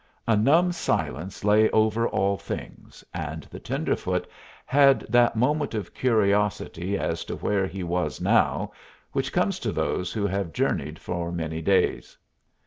A numb silence lay over all things, and the tenderfoot had that moment of curiosity as to where he was now which comes to those who have journeyed for many days.